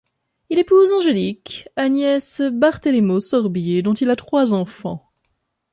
Il épouse Angélique Agnès Barthélémot Sorbier, dont il a trois enfants.